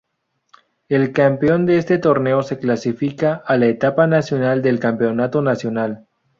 El campeón de este torneo se clasifica a la Etapa Nacional del Campeonato Nacional.